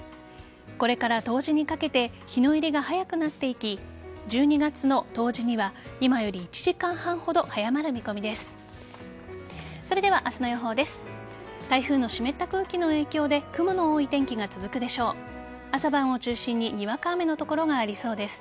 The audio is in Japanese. これから冬至にかけて日の入りが早くなっていき１２月の冬至には今より１時間半ほど早まる見込みです。